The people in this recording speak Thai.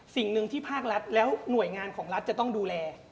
สิ่งหนึ่งที่ภาครัฐแล้วหน่วยงานของรัฐจะต้องดูแล